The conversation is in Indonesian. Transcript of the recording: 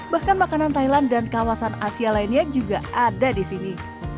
bahkan makanan thailand dan kawasan asia lainnya juga ada di sini